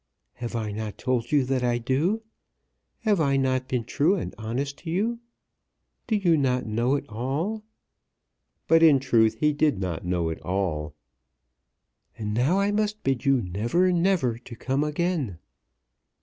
"Have I not told you that I do? Have I not been true and honest to you? Do you not know it all?" But in truth he did not know it all. "And now I must bid you never, never to come again."